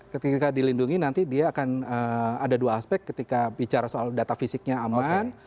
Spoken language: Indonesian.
ketika dilindungi nanti dia akan ada dua aspek ketika bicara soal data fisiknya aman